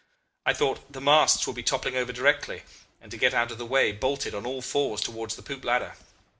I thought, The masts will be toppling over directly; and to get out of the way bolted on all fours towards the poop ladder.